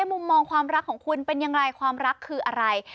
มุมมองความรักของคุณเป็นอย่างไรความรักคืออะไร